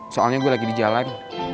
soalnya gue lagi di jalan